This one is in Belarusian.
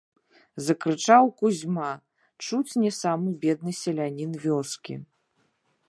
- закрычаў Кузьма, чуць не самы бедны селянiн вёскi.